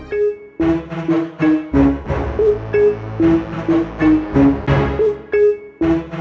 di jalanin tugas yang dikasih papi kamu